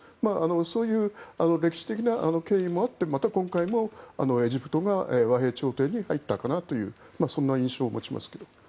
そういう歴史的なものもあってまた今回もエジプトが和平調停に入ったかなというそんな印象を持ちますけど。